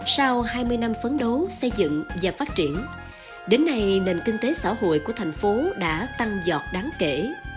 sau hai mươi năm phấn đấu xây dựng và phát triển đến nay nền kinh tế xã hội của thành phố đã tăng giọt đáng kể